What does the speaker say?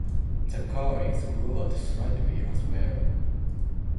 The car is lowered slightly as well.